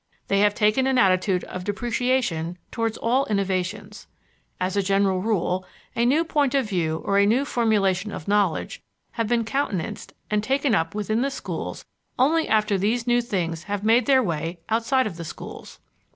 They have taken an attitude of depreciation towards all innovations. As a general rule a new point of view or a new formulation of knowledge have been countenanced and taken up within the schools only after these new things have made their way outside of the schools.